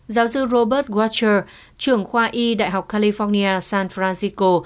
giáo sư robert watcher trưởng khoa y đại học california san francisco